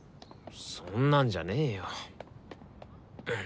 そんなんじゃねえよ。